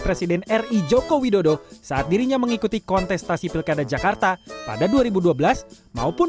presiden ri joko widodo saat dirinya mengikuti kontestasi pilkada jakarta pada dua ribu dua belas maupun